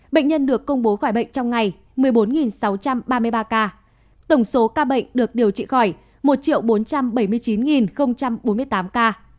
bệnh nhân được công bố khỏi bệnh trong ngày một mươi bốn sáu trăm ba mươi ba ca tổng số ca bệnh được điều trị khỏi một bốn trăm bảy mươi chín bốn mươi tám ca